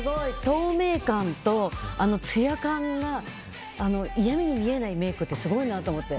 透明感とツヤ感が嫌みに見えないメイクってすごいなと思って。